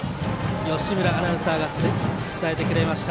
義村アナウンサーが伝えてくれました。